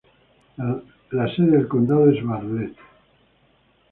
La sede del condado es Bartlett.